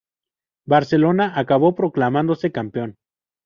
Barcelona acabó proclamándose campeón.